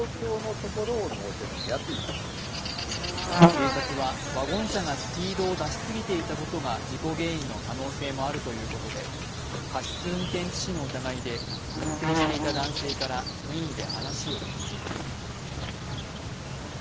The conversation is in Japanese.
警察は、ワゴン車がスピードを出しすぎていたことが事故原因の可能性もあるということで、過失運転致死の疑いで運転していた男性から任意で話を聞いています。